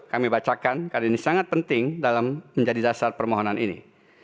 kami bacakan karena ini sangat penting dalam menjadi dasar permohonan ini